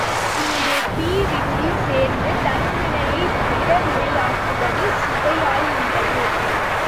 இங்கே பி விகுதி சேர்ந்து தன்வினையைப் பிறவினையாக்குவது சுவையாயுள்ளது.